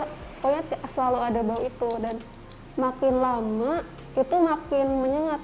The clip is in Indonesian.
pokoknya selalu ada bau itu dan makin lama itu makin menyengat